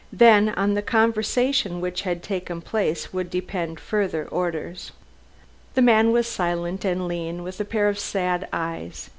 Then on the conversation which had taken place would depend further orders. The man was silent and lean, with a pair of sad eyes.